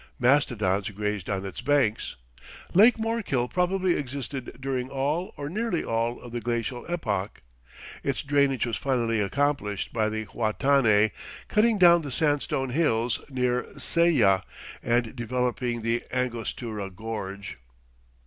Mastodons grazed on its banks. "Lake Morkill probably existed during all or nearly all of the glacial epoch." Its drainage was finally accomplished by the Huatanay cutting down the sandstone hills, near Saylla, and developing the Angostura gorge.